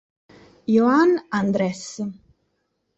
Johann Andres